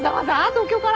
東京から？